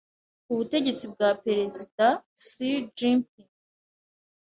ku butegetsi bwa Perezida Xi Jinping